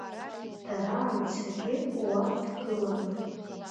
Дара анцагьы, уа дгылан.